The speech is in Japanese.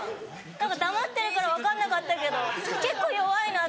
何か黙ってるから分かんなかったけど結構弱いなと思って。